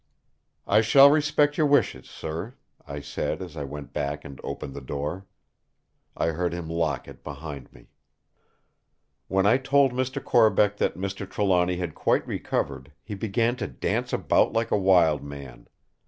"I shall respect your wishes, sir!" I said as I went back and opened the door. I heard him lock it behind me. When I told Mr. Corbeck that Mr. Trelawny had quite recovered, he began to dance about like a wild man.